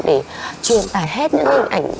để truyền tải hết những hình ảnh